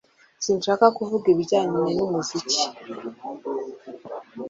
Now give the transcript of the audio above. Sinshaka kuvuga ibijyanye n'umuziki